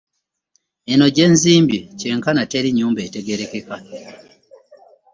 Eno gye nzimbye kyenkana teri nnyumba etegeerekeka.